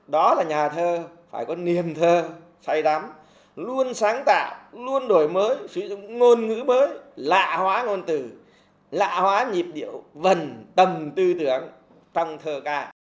đó là nhà thơ phải có niềm thơ say đắm luôn sáng tạo luôn đổi mới sử dụng ngôn ngữ mới lạ hóa ngôn từ lạ hóa nhịp điệu vần tầm tư tưởng tầm thơ ca